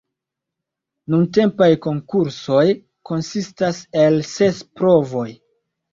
Nuntempaj konkursoj konsistas el ses provoj.